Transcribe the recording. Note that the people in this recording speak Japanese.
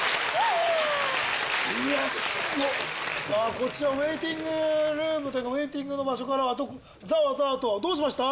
こちらウエーティングルームというかウエーティングの場所からはざわざわとどうしました？